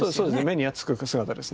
目につく姿ですね。